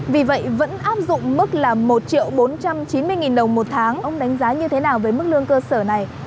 vì vậy vẫn áp dụng mức là một triệu bốn trăm chín mươi đồng một tháng ông đánh giá như thế nào về mức lương cơ sở này